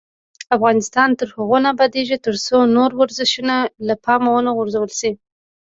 افغانستان تر هغو نه ابادیږي، ترڅو نور ورزشونه له پامه ونه غورځول شي.